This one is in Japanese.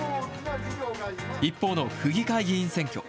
一方の府議会議員選挙。